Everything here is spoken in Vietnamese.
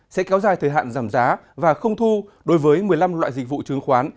sẽ kéo dài thời hạn giảm giá và không thu đối với một mươi năm loại dịch vụ chứng khoán